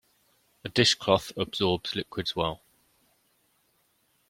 A dish cloth absorbs liquids well.